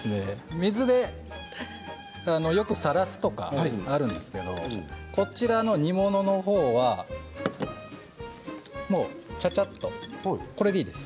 水でさらすとかよくあるんですけれどこちらの煮物はもうちゃちゃっとこれでいいです。